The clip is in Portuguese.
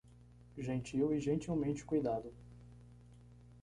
Gentil e gentilmente cuidado